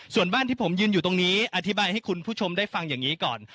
ส่วนบ้านที่ผมยืนอยู่ตรงนี้อธิบายให้คุณผู้ชมได้ฟังอย่างนี้ก่อน